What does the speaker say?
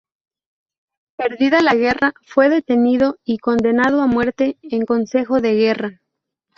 Perdida la guerra, fue detenido y condenado a muerte en consejo de guerra.